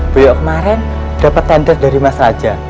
buya kemaren dapet tender dari mas raja